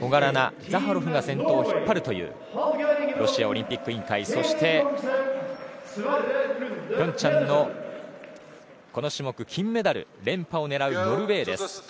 小柄なザハロフが先頭を引っ張るというロシアオリンピック委員会そして、平昌のこの種目、金メダル連覇を狙うノルウェーです。